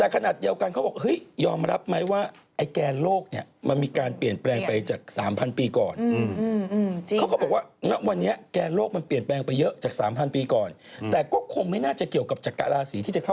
คือเป็นดาราศาสตร์นั่นแหละไม่เกี่ยวกับโหราศาสตร์